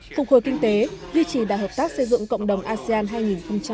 phục hồi kinh tế duy trì đà hợp tác xây dựng cộng đồng asean hai nghìn hai mươi năm